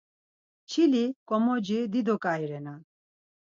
Çili-komoci dido ǩai renan.